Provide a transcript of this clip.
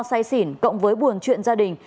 say xỉn cộng với buồn chuyện gia đình